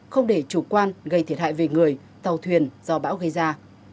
không để chủ quan gây thiệt hại về người tàu thuyền do bão gây ra